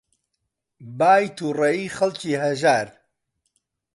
بای تووڕەیی خەڵکی هەژار